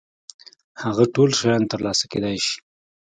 هغه ټول شيان تر لاسه کېدای شي.